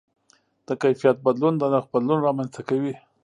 د کیفیت بدلون د نرخ بدلون رامنځته کوي.